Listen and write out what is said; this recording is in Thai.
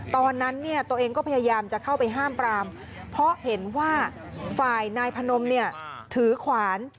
ตอนนั้นเนี่ยตัวเองก็พยายามจะเข้าไปห้ามปรามเพราะเห็นว่าฝ่ายนายพนมเนี่ยถือขวาน